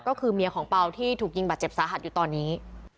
ก็คือเมียของเปล่าที่ถูกยิงบาดเจ็บสาหัสอยู่ตอนนี้